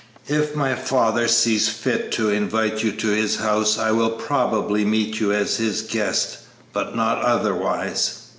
"If my father sees fit to invite you to his house I will probably meet you as his guest, but not otherwise."